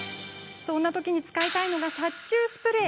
そんなとき使いたいのが殺虫スプレー。